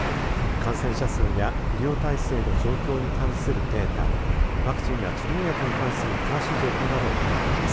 感染者数や医療体制の状況に関するデータワクチンや治療薬に関する詳しい情報などをまとめています。